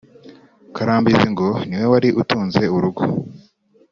Karambizi ngo ni we wari utunze urugo